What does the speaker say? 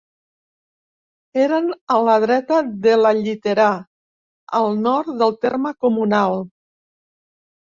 Eren a la dreta de la Lliterà, al nord del terme comunal.